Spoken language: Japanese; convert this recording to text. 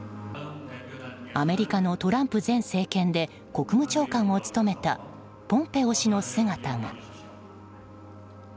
アメリカのトランプ前政権で国務長官を務めたポンペオ氏の姿が。